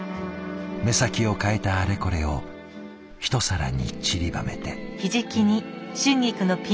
目先を変えたあれこれを一皿にちりばめて。